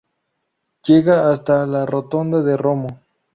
Llega hasta la Rotonda de Romo.